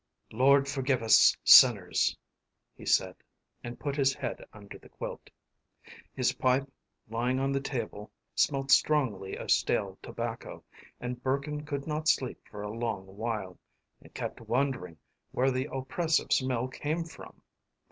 “Lord forgive us sinners!” he said, and put his head under the quilt. His pipe lying on the table smelt strongly of stale tobacco, and Burkin could not sleep for a long while, and kept wondering where the oppressive smell came from.